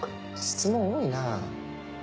質問多いなぁ。